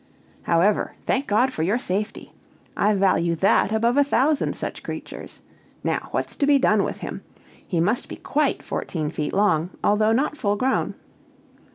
However, thank God for your safety! I value that above a thousand such creatures. Now, what's to be done with him? He must be quite fourteen feet long, although not full grown."